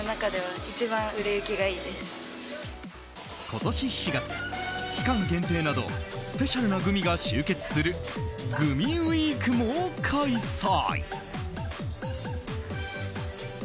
今年４月、期間限定などスペシャルなグミが集結するグミウィークも開催。